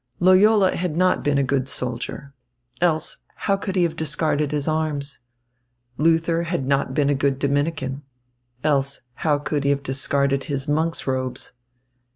Loyola had not been a good soldier. Else, how could he have discarded his arms? Luther had not been a good Dominican. Else, how could he have discarded his monk's robes?